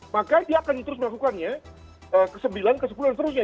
maka dia akan terus melakukannya ke sembilan ke sepuluh dan seterusnya